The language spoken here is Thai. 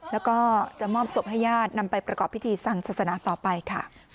แล้วก็จะมอบศพให้ญาตินำไปประกอบพิธีทางศาสนาต่อไปค่ะ